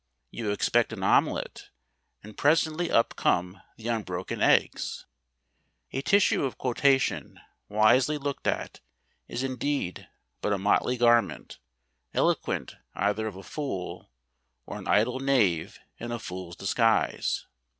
You expect an omelette, and presently up come the unbroken eggs. A tissue of quotation wisely looked at is indeed but a motley garment, eloquent either of a fool, or an idle knave in a fool's disguise.